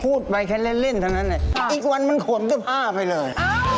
พูดไปแค่เล่นเท่านั้นเนี่ยอีกวันมันขนจะพ่าไปเลย